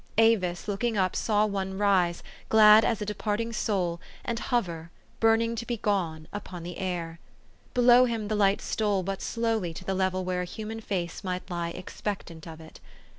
Avis, looking up, saw one rise, glad as a departing soul, and hover, burning to be gone, upon the air. Below him the light stole but slowly to the level where a human face might lie expectant of it.